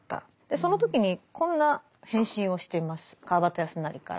その時にこんな返信をしています川端康成から。